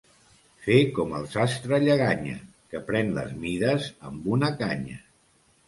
Fer com el sastre Lleganya, que pren les mides amb una canya.